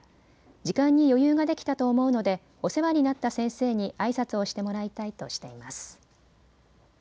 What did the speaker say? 時間に余裕ができたと思うのでお世話になった先生にあいさつをしてもらいたいとしています。